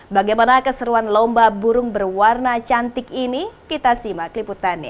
bagaimana keseruan lomba burung berwarna cantik ini kita simak liputannya